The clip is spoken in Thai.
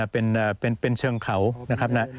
เป็นเชิงเขานะครับ